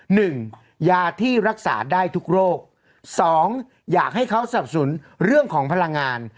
หนึ่งยาที่รักษาได้ทุกโรคสองอยากให้เขาสับสนเรื่องของพลังงาน